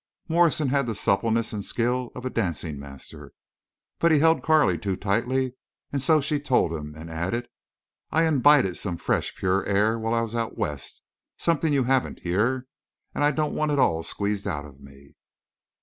Morrison had the suppleness and skill of a dancing master. But he held Carley too tightly, and so she told him, and added, "I imbibed some fresh pure air while I was out West—something you haven't here—and I don't want it all squeezed out of me."